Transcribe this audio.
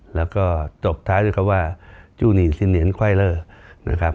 และก็ตกท้ายด้วยคำว่าจู่หนีนสินเหนียนไขวร์เลอร์